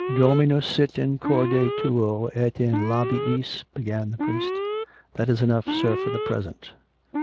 " Dominus sit in corde iuo et in lahiis " began the priest. " That is enough, sir, for the present.